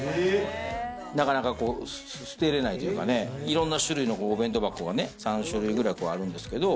なかなか捨てれないというかね、いろんな種類の弁当箱がね、３種類くらいあるんですけど。